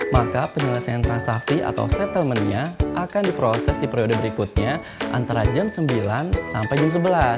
maka penyelesaian transaksi atau settlement nya akan diproses di periode berikutnya antara jam sembilan sampai jam sebelas